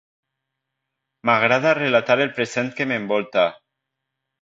M'agrada relatar el present que m'envolta